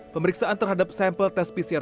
pemeriksaan terhadap sampel tes pcr